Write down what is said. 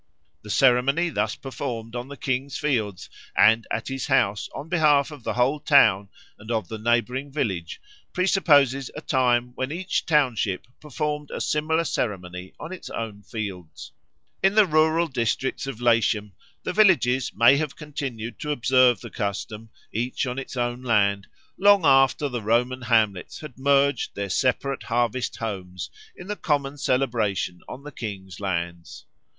The ceremony thus performed on the king's fields and at his house on behalf of the whole town and of the neighbouring village presupposes a time when each township performed a similar ceremony on its own fields. In the rural districts of Latium the villages may have continued to observe the custom, each on its own land, long after the Roman hamlets had merged their separate harvest homes in the common celebration on the king's lands.